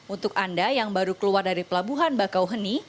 untuk anda yang baru keluar dari pelabuhan bakauheni